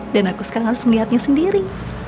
aku sekarang harus melihatnya sendiri